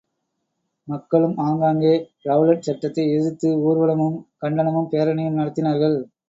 மக்களும் ஆங்காங்கே ரெளலட் சட்டத்தை எதிர்த்து ஊர்வலமும், கண்டனமும், பேரணியும் நடத்தினார்கள்.